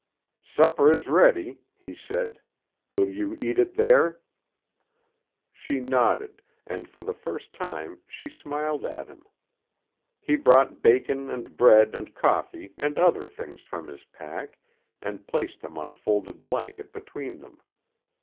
"Supper is ready," he said. "Will you eat it there?" She nodded, and for the first time she smiled at him. He brought bacon and bread and coffee and other things from his pack and placed them on a folded blanket between them.